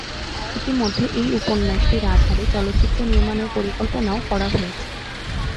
ইতিমধ্যে এই উপন্যাসটির আধারে চলচ্চিত্র নির্মাণের পরিকল্পনাও করা হয়েছে।